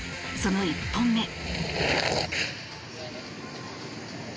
その１本目。